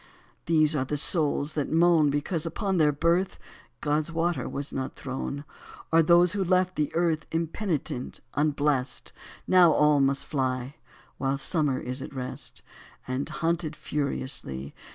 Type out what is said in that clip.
These are the souls that moan Because upon their birth God's water was not thrown ; Or those who left the earth Impenitent, unblessed. Now all must fly. While summer is at rest. And, hunted furiously.